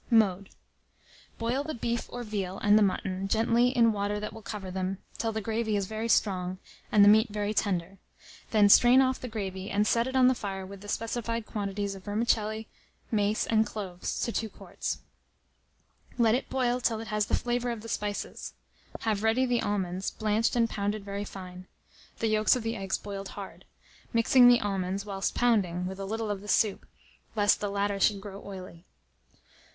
Mode. Boil the beef, or veal, and the mutton, gently in water that will cover them, till the gravy is very strong, and the meat very tender; then strain off the gravy, and set it on the fire with the specified quantities of vermicelli, mace, and cloves, to 2 quarts. Let it boil till it has the flavour of the spices. Have ready the almonds, blanched and pounded very fine; the yolks of the eggs boiled hard; mixing the almonds, whilst pounding, with a little of the soup, lest the latter should grow oily.